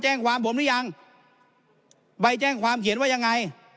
แจ้งความผมหรือยังใบแจ้งความเขียนว่ายังไง